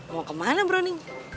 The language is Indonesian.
mau kemana brody